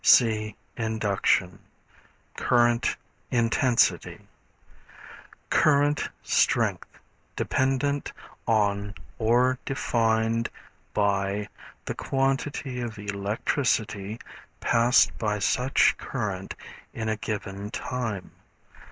(See Induction.) Current Intensity. Current strength, dependent on or defined by the quantity of electricity passed by such current in a given time.